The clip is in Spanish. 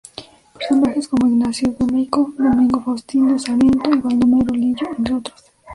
Personajes como Ignacio Domeyko, Domingo Faustino Sarmiento y Baldomero Lillo entre otros.